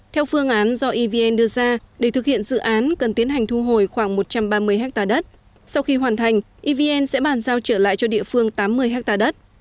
theo phương án do evn đưa ra để thực hiện dự án cần tiến hành thu hồi khoảng một trăm ba mươi ha đất sau khi hoàn thành evn sẽ bàn giao trở lại cho địa phương tám mươi ha đất